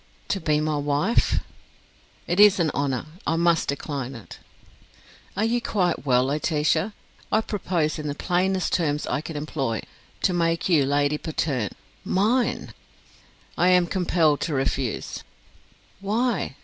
"To be my wife!" "It is an honour; I must decline it." "Are you quite well, Laetitia? I propose in the plainest terms I can employ, to make you Lady Patterne mine." "I am compelled to refuse." "Why?